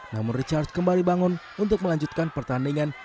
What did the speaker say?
namun richard kembali bangun untuk melanjutkan pertandingan